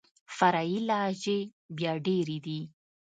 فرعي لهجې بيا ډېري دي.